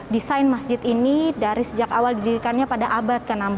desain masjid ini dari sejak awal didirikannya pada abad ke enam belas